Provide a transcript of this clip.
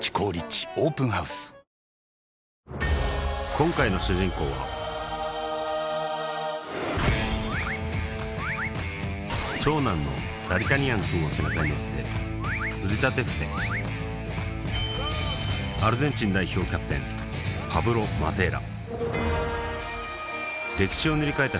今回の主人公は長男のダリタニアン君を背中に乗せて腕立て伏せアルゼンチン代表キャプテンパブロ・マテーラ